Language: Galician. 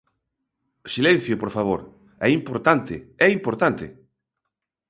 ¡Silencio, por favor, é importante, é importante!